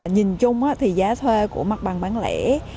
nhìn chung thì giá thuê của mặt bằng bán lẻ